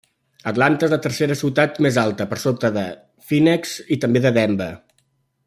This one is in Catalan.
Atlanta és la tercera ciutat més alta, per sota de Phoenix, i també de Denver.